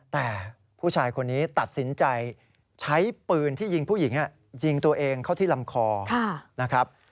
แต่ผู้ชายคนนี้ตัดสินใจใช้ปืนที่ยิงผู้หญิงยิงตัวเองเข้าที่ลำคอนะครับ